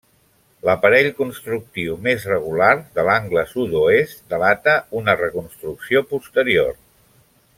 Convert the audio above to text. L'aparell constructiu, més regular, de l'angle sud-oest delata una reconstrucció posterior.